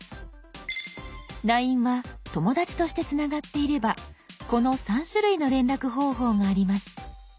「ＬＩＮＥ」は「友だち」としてつながっていればこの３種類の連絡方法があります。